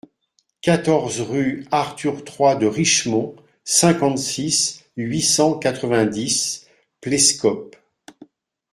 quatorze rue Arthur trois de Richemond, cinquante-six, huit cent quatre-vingt-dix, Plescop